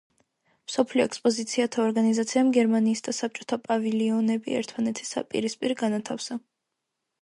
მსოფლიო ექსპოზიციათა ორგანიზაციამ გერმანიის და საბჭოთა პავილიონები ერთმანეთის პირისპირ განათავსა.